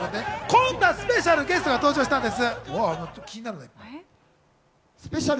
こんなスペシャルゲストが登場したんです。